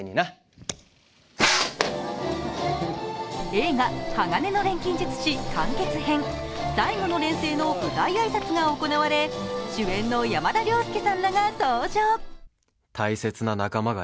映画「鋼の錬金術師完結編最後の錬成」の舞台挨拶が行われ、主演の山田涼介さんらが登場。